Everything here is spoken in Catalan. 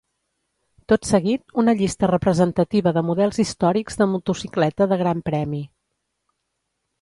Tot seguit, una llista representativa de models històrics de motocicleta de Gran Premi.